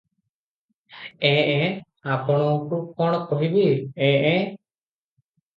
ଏଁ ଏଁ- ଆପଣଙ୍କୁ କଣ କହିବି- ଏଁ- ଏଁ ।